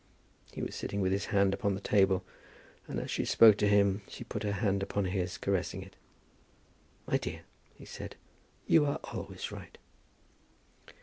He was sitting with his hand upon the table, and, as she spoke to him, she put her hand upon his, caressing it. "My dear," he said, "you are always right."